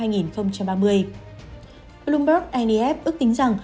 bloomberg nef ước tính rằng